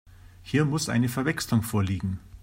Hier muss eine Verwechslung vorliegen.